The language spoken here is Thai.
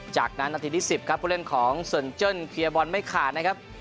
จากนั้นนาทีที่๑๐ครับผู้เล่นของเซินเจิ้นเคลียร์บอลไม่ขาดนะครับ